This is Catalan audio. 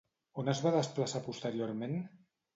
On es va desplaçar posteriorment?